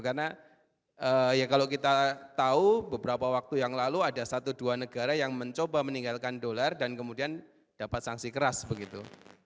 karena ya kalau kita tahu beberapa waktu yang lalu ada satu dua negara yang mencoba meninggalkan dolar dan kemudian dapat sanksi keras begitu